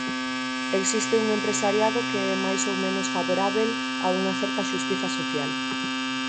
Existe un empresariado que é máis ou menos favorábel a unha certa xustiza social.